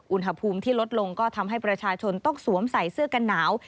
อุณหภูมิที่ลดลงก็ทำให้ประชาชนต้องสวมใส่เสื้อกันหนาว